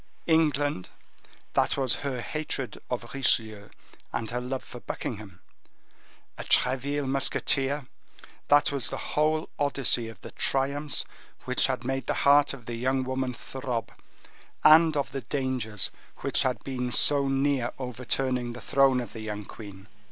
England, that was her hatred of Richelieu and her love for Buckingham; a Treville musketeer, that was the whole Odyssey of the triumphs which had made the heart of the young woman throb, and of the dangers which had been so near overturning the throne of the young queen.